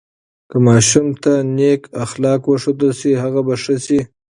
که ماشوم ته نیک اخلاق وښودل سي، هغه به ښه سي.